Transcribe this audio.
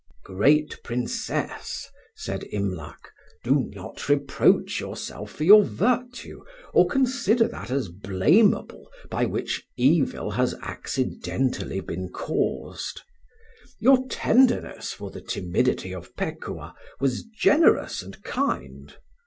"Great Princess," said Imlac, "do not reproach yourself for your virtue, or consider that as blameable by which evil has accidentally been caused. Your tenderness for the timidity of Pekuah was generous and kind.